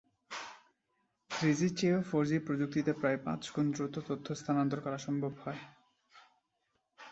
থ্রিজির চেয়ে ফোরজি প্রযুক্তিতে প্রায় পাঁচগুণ দ্রুত তথ্য স্থানান্তর করা সম্ভব হয়।